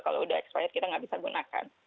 kalau udah expired kita nggak bisa gunakan